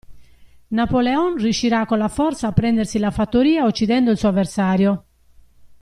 Napoleon riuscirà con la forza a prendersi la fattoria uccidendo il suo avversario.